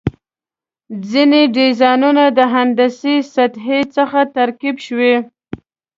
ځینې ډیزاینونه د هندسي سطحې څخه ترکیب شوي.